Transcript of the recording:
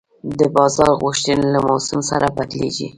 د بازار غوښتنې له موسم سره بدلېږي.